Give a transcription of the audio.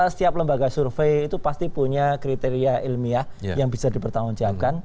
setiap lembaga survei itu pasti punya kriteria ilmiah yang bisa dipertanggungjawabkan